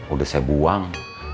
udah saya buang